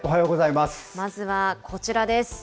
まずはこちらです。